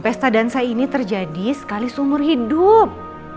pesta dansa ini terjadi sekali seumur hidup